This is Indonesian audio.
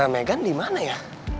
megan di mana ya